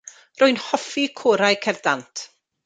Rwy'n hoffi corau cerdd dant.